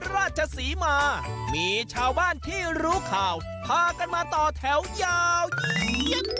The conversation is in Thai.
ราชศรีมามีชาวบ้านที่รู้ข่าวพากันมาต่อแถวยาว